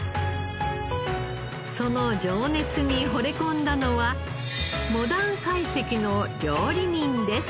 その情熱に惚れ込んだのはモダン懐石の料理人です。